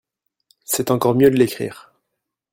C’est encore mieux de l’écrire